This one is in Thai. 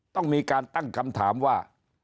ต้องมีการตั้งคำถามว่า